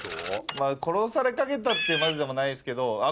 まぁ殺されかけたっていうまででもないですけどあっ